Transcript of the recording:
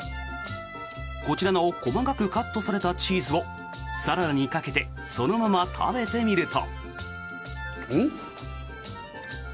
こちらの細かくカットされたチーズをサラダにかけてそのまま食べてみると。